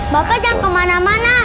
bapak jangan kemana mana